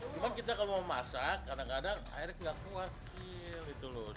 cuma kita kalau mau masak kadang kadang airnya tidak kuat